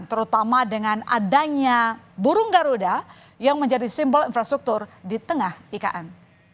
terutama dengan adanya burung garuda yang menjadi simbol infrastruktur di tengah ikn